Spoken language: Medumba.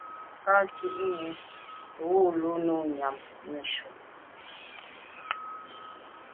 Kà ghùtni wul o num nu yàm neshu.